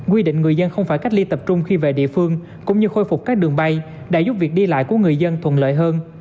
quy định người dân không phải cách ly tập trung khi về địa phương cũng như khôi phục các đường bay đã giúp việc đi lại của người dân thuận lợi hơn